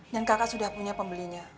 dan kakak sudah punya pembelinya